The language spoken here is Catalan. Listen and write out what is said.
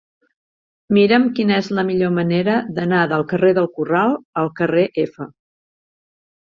Mira'm quina és la millor manera d'anar del carrer del Corral al carrer F.